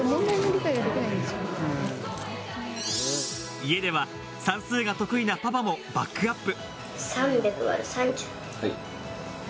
家では算数が得意なパパもバックアップ。